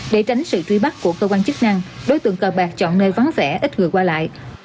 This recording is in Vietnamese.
để tránh sự truy bắt của cơ quan chức năng đối tượng cờ bạc chọn nơi vắng vẻ ít người qua lại